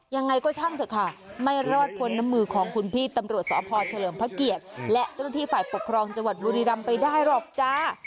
ยังไงก็ช่างเถอะค่ะไม่รอดพ้นน้ำมือของคุณพี่ตำรวจสพเฉลิมพระเกียรติและเจ้าหน้าที่ฝ่ายปกครองจังหวัดบุรีรำไปได้หรอกจ้า